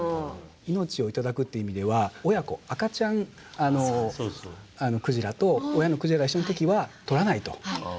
命を頂くという意味では親子赤ちゃん鯨と親の鯨が一緒の時は獲らないと。